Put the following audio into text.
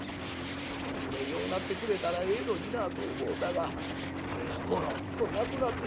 いずれ良うなってくれたらええのになあと思うたがこれがゴロッと亡くなってしもた。